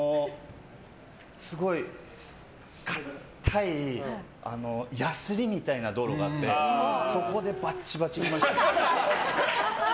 すごい硬いやすりみたいな道路があってそこでバッチバチいきましたね。